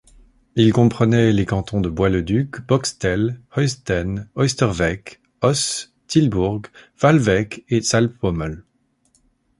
Il comprenait les cantons de Bois-le-Duc, Boxtel, Heusden, Oisterwijk, Oss, Tilburg, Waalwijk et Zaltbommel.